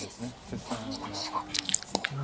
切断を狙ったわけですから。